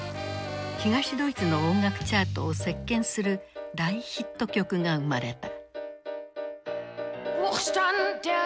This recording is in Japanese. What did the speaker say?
東ドイツの音楽チャートを席巻する大ヒット曲が生まれた。